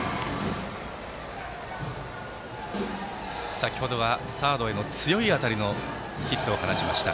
先程はサードへの強い当たりのヒットを放ちました。